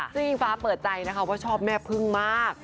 ซึ่งอิงฟ้าเปิดใจนะคะว่าชอบแม่พึ่งมาก